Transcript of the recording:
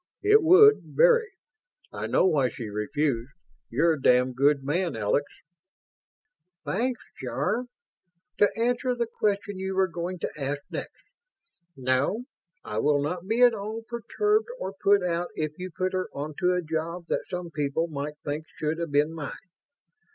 "It would, very. I know why she refused. You're a damned good man, Alex." "Thanks, Jarve. To answer the question you were going to ask next no, I will not be at all perturbed or put out if you put her onto a job that some people might think should have been mine.